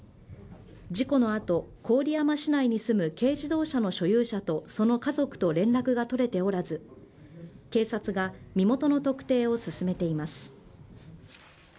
事故の後郡山市内に住む軽自動車の所有者とその家族と連絡が取れておらず警察が身元の特定を進めています。